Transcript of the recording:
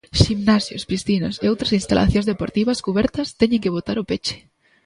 Ximnasios, piscinas e outras instalacións deportivas cubertas teñen que botar o peche.